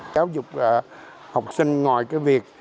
giáo dục học sinh ngoài cái việc